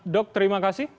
dok terima kasih